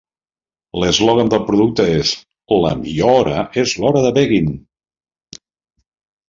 L'eslògan del producte és "La millor hora és l'hora de Beggin'!"